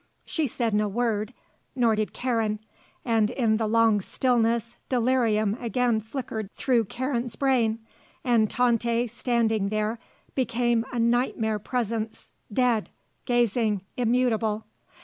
She said no word, nor did Karen, and in the long stillness delirium again flickered through Karen's brain, and Tante, standing there, became a nightmare presence, dead, gazing, immutable.